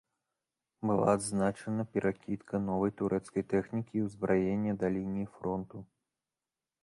Была адзначана перакідка новай турэцкай тэхнікі і ўзбраення да лініі фронту.